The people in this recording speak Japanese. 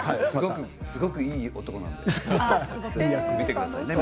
すごくいい男なので見てください。